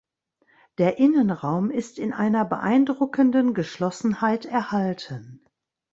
Der Innenraum ist in einer beeindruckenden Geschlossenheit erhalten.